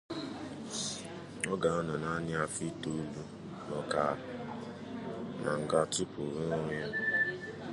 ọ ga-anọ nanị afọ itoolu na ọkara na nga tupu o nwere onwe ya.